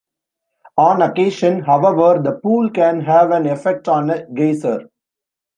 On occasion, however, the pool can have an effect on a geyser.